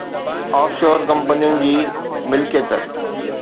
of شور ڪمپنين جي ملڪيت